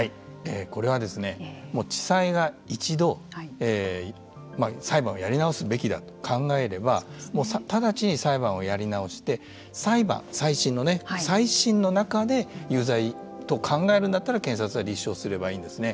これは、地裁が一度裁判をやり直すべきだと考えれば直ちに裁判をやり直して裁判、再審のね再審の中で有罪と考えるんだったら検察は立証すればいいんですね。